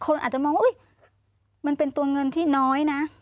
อาจจะมองว่ามันเป็นตัวเงินที่น้อยนะ